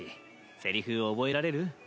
セリフ覚えられる？